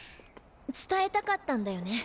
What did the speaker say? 伝えたかったんだよね。